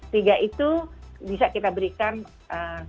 tiga itu bisa kita berikan kesempatan